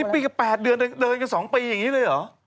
ปีกับ๘เดือนเดินกัน๒ปีอย่างนี้เลยเหรอ